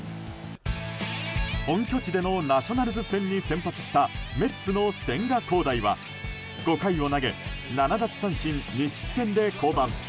本拠地でのナショナルズ戦に先発したメッツの千賀滉大は、５回を投げ７奪三振２失点で降板。